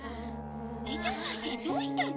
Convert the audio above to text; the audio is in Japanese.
めざましはどうしたの？